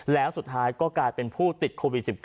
แล้วสุดท้ายก็กลายเป็นผู้ติดโควิด๑๙